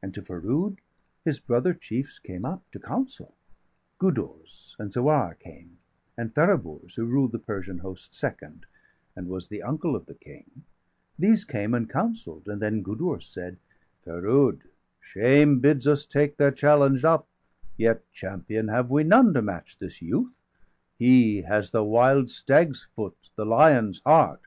And to Ferood his brother chiefs came up 170 To counsel; Gudurz and Zoarrah came, And Feraburz, who ruled the Persian host Second, and was the uncle of the King°; °173 These came and counsell'd, and then Gudurz said: "Ferood, shame bids us take their challenge up, 175 Yet champion have we none to match this youth. He has the wild stag's foot, the lion's heart.